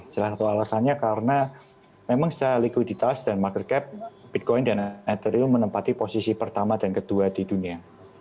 salah satu alasannya karena memang secara likuiditas dan market cap bitcoin dan etherium menempati posisi pertama dan kedua di dunia